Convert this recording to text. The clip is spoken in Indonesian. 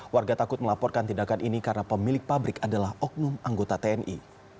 warga takut melaporkan tindakan ini karena pemilik pabrik adalah oknum anggota tni